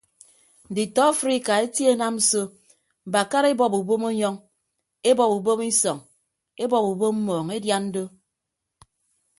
Nditọ afrika etie enam so mbakara ebọp ubom enyọñ ebọp ubom isọñ ebọp ubom mmọọñ edian do.